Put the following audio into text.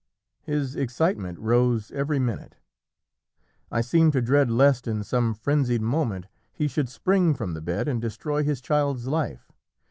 His excitement rose every minute. I seemed to dread lest in some frenzied moment he should spring from the bed and destroy his child's life.